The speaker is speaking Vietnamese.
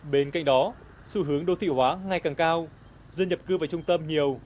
bên cạnh đó xu hướng đô thị hóa ngay càng cao dân nhập cư vào trung tâm nhiều